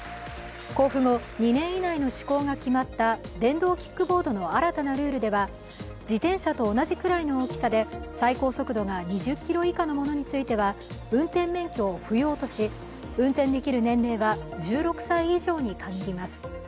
公布後２年以内の施行が決まった電動キックボードの新たなルールでは自転車と同じくらいの大きさで最高速度が２０キロ以下のものについては運転免許を不要とし、運転できる年齢は１６歳以上に限ります。